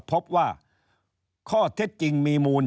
พบว่าข้อเท็จจริงมีมูล